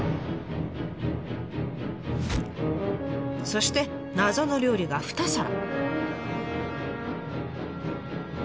そして謎の料理が２皿。